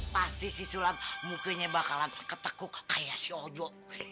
pasti si sulam mukunya bakalan ketekuk kayak si ojo